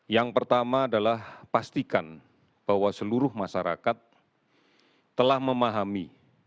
yang pertama adalah pastikan bahwa seluruh masyarakat telah memahami